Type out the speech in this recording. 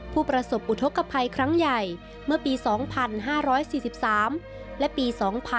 ผู้ประสบอุทธกภัยครั้งใหญ่เมื่อปี๒๕๔๓และปี๒๕๖๒